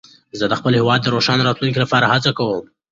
زه د خپل هېواد د روښانه راتلونکي لپاره هڅه کوم.